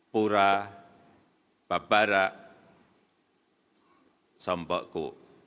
pura babara sombokku